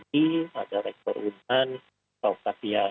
kalau kasal pak andi pak utapian pak andi pak utapian